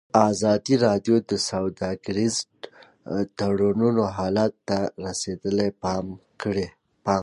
ازادي راډیو د سوداګریز تړونونه حالت ته رسېدلي پام کړی.